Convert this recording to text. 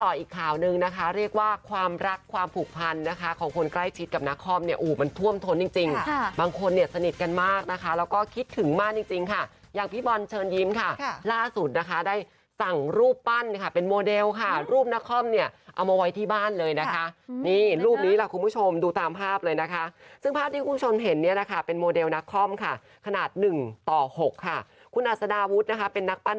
ต่ออีกข่าวนึงนะคะเรียกว่าความรักความผูกพันนะคะของคนใกล้ชิดกับนักคล่อมเนี่ยอู๋มันท่วมท้นจริงจริงบางคนเนี่ยสนิทกันมากนะคะแล้วก็คิดถึงมากจริงจริงค่ะอย่างพี่บอลเชิญยิ้มค่ะล่าสุดนะคะได้สั่งรูปปั้นค่ะเป็นโมเดลค่ะรูปนักคล่อมเนี่ยเอามาไว้ที่บ้านเลยนะคะนี่รูปนี้ล่ะคุณผู้ชมดูตาม